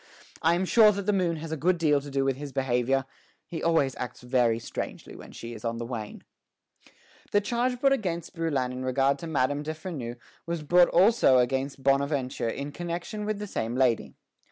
I am sure that the moon has a good deal to do with his behavior; he always acts very strangely when she is on the wane." The charge brought against Brouillan in regard to Madame de Freneuse was brought also against Bonaventure in connection with the same lady.